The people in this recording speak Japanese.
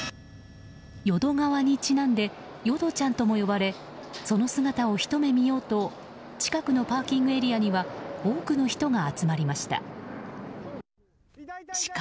淀川にちなんでよどちゃんとも呼ばれその姿をひと目見ようと近くのパーキングエリアには多くの人が集まりました。